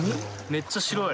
めっちゃ白い。